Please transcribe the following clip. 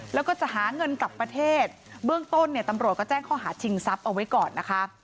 แล้วก็จะหาเงินกลับประเทศเบื้องต้นเนี่ยตำรวจก็แจ้งข้อหาชิงทรัพย์เอาไว้ก่อนนะคะ